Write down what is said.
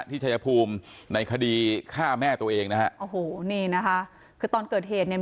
ชายภูมิในคดีฆ่าแม่ตัวเองนะฮะโอ้โหนี่นะคะคือตอนเกิดเหตุเนี่ย